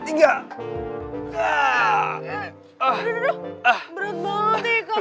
udah udah berat banget nih kak